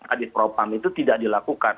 kadif propam itu tidak dilakukan